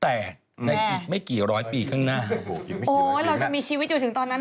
แต่จริงนี่ก็บอกว่าอาจจะมีสิ่งมีชีวิตอยู่